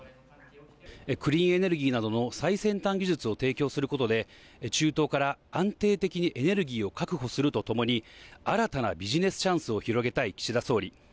クリーンエネルギーなどの最先端技術を提供することで、中東から安定的にエネルギーを確保するとともに、新たなビジネスチャンスを広げたい岸田総理。